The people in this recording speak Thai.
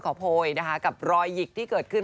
โพยนะคะกับรอยหยิกที่เกิดขึ้น